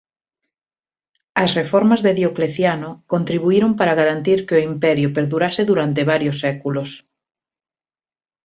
As reformas de Diocleciano contribuíron para garantir que o imperio perdurase durante varios séculos.